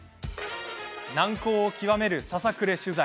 難航を極めるささくれ取材。